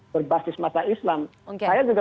berbasis masa islam saya juga